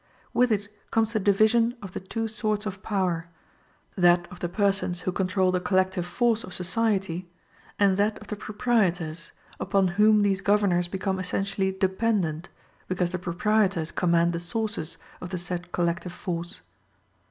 With it comes the division of the two sorts of power, that of the persons who control the collective force of society, and that of the proprietors, upon whom these governors become essentially independent, because the proprietors command the sources of the said collective force.